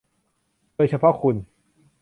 โดยเฉพาะคุณ